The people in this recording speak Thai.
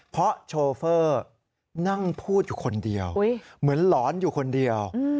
เพราะโชเฟอร์นั่งพูดอยู่คนเดียวเหมือนหลอนอยู่คนเดียว